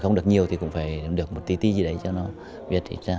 không được nhiều thì cũng phải được một tí tí gì đấy cho nó biết